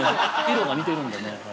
色が似てるんでね。